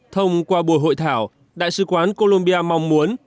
thông qua buổi hội thảo đại sứ quán colombia mong muốn